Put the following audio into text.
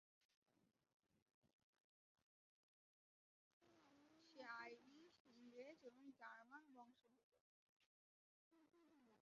সে Irish, ইংরেজ এবং German বংশদ্ভুত।